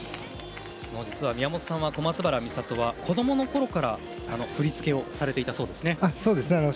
実は宮本さん小松原美里は子どものころから振り付けをされていたそうですね。